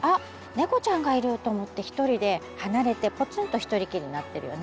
猫ちゃんがいると思ってひとりで離れてポツンとひとりきりになってるよね。